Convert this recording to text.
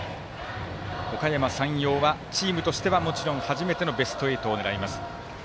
おかやま山陽はチームとしてはもちろん初めてのベスト８を狙います。